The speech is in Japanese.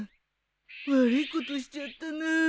悪いことしちゃったなあ